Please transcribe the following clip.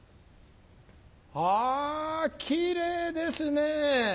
あキレイですね。